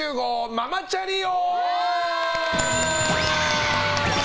ママチャリ王！